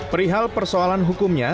perihal persoalan hukumnya